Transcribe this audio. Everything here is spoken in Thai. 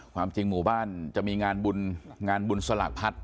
ความจริงหมู่บ้านจะมีงานบุญงานบุญสลากพัด